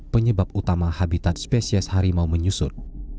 penyebab utama habitat spesies harimau menyusut